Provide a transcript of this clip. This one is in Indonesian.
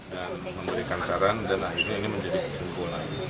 dan memberikan saran dan akhirnya ini menjadi kesimpulan